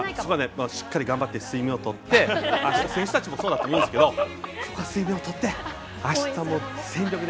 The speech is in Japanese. しっかり頑張って睡眠をとって選手たちもそうだと思いますが睡眠をとってあしたも全力で。